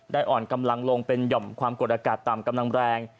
อ่อนกำลังลงเป็นหย่อมความกดอากาศต่ำกำลังแรง